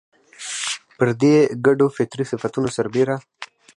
پر دې ګډو فطري صفتونو سربېره